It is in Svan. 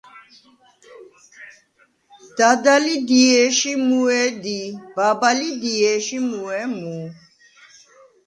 დადა ლი დიე̄შ ი მუუ̂ე̄ დი, ბაბა ლი დიე̄შ ი მუუ̂ე̄ მუ.